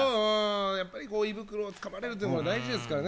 やっぱり胃袋をつかまれるというのは大事ですからね。